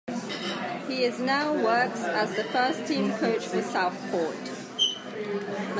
He is now works as the first team coach for Southport.